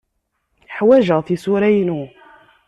Ḥwajeɣ tisura-inu.